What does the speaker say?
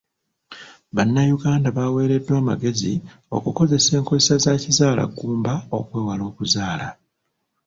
Bannayuganda baweereddwa amagezi okukozesa enkola za kizaalaggumba okwewala okuzaala.